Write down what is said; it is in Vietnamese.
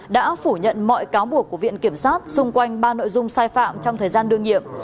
đã phủ nhận mọi cáo buộc của viện kiểm sát xung quanh ba nội dung sai phạm trong thời gian đương nhiệm